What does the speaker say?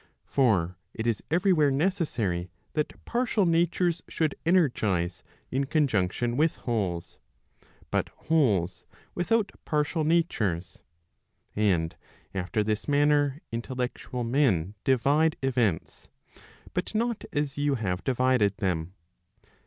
For it is every where necessary that partial natures should energize in conjunction with wholes, but wholes without partial natures. And after this manner intellectual men divide events, but not as you have divided them.